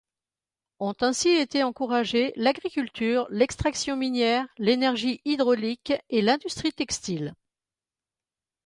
Ont ainsi été encouragées l'agriculture, l'extraction minière, l'énergie hydraulique et l'industrie textile.